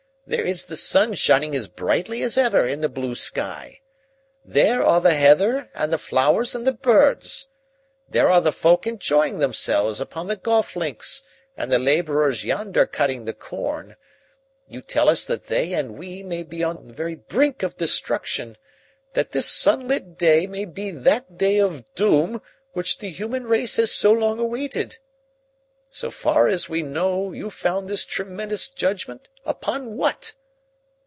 There is the sun shining as brightly as ever in the blue sky. There are the heather and the flowers and the birds. There are the folk enjoying themselves upon the golf links and the laborers yonder cutting the corn. You tell us that they and we may be upon the very brink of destruction that this sunlit day may be that day of doom which the human race has so long awaited. So far as we know, you found this tremendous judgment upon what?